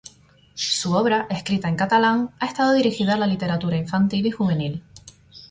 Su obra, escrita en catalán, ha estado dirigida a la literatura infantil y juvenil.